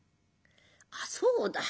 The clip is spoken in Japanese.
あっそうだ。